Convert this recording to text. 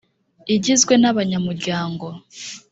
igizwe n’abanyamuryango